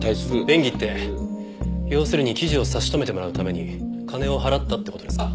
便宜って要するに記事を差し止めてもらうために金を払ったって事ですか？